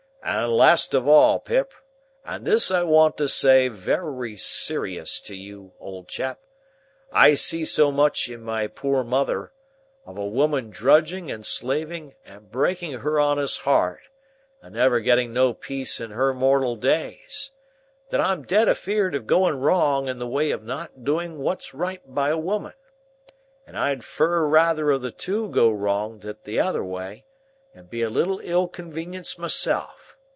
"And last of all, Pip,—and this I want to say very serious to you, old chap,—I see so much in my poor mother, of a woman drudging and slaving and breaking her honest hart and never getting no peace in her mortal days, that I'm dead afeerd of going wrong in the way of not doing what's right by a woman, and I'd fur rather of the two go wrong the t'other way, and be a little ill conwenienced myself.